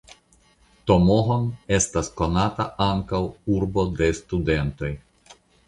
Tomohon estas konata ankaŭ "urbo de studentoj".